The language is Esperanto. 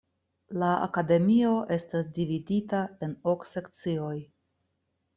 La Akademio estas dividita en ok sekcioj.